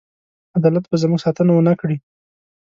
عدالت به زموږ ساتنه ونه کړي.